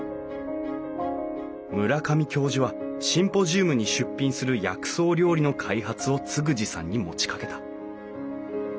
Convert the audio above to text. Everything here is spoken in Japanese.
村上教授はシンポジウムに出品する薬草料理の開発を嗣二さんに持ちかけた。